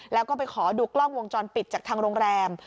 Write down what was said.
แล้วก็ไปขอดูกล้องวงจรปิดจากทางโรงแรม